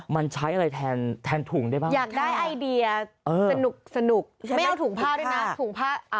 มันใช้อะไรแทนถุงได้บ้าง